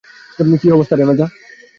কী অবস্থা, রাম্যায়া।